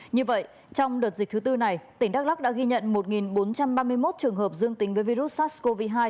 như vậy trong đợt dịch thứ tư này tỉnh đắk lắc đã ghi nhận một bốn trăm ba mươi một trường hợp dương tính với virus sars cov hai